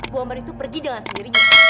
bu ambar itu pergi dengan sendirinya